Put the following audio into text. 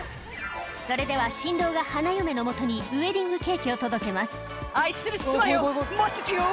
それでは新郎が花嫁のもとにウエディングケーキを届けます「愛する妻よ待っててよ！